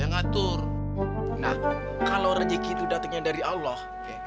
nah kalau rezeki itu datangnya dari allah